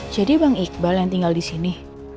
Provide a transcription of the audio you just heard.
jadi bang iqbal yang tinggal di sini